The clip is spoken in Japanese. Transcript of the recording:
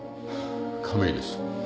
亀井です。